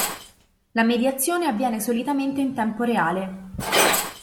La mediazione avviene solitamente in tempo reale.